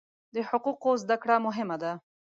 د حقوقو زده کړه مهمه ده.